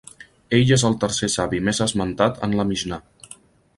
Ell és el tercer savi més esmentat en la Mixnà.